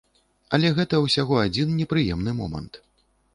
Але гэта ўсяго адзін непрыемны момант.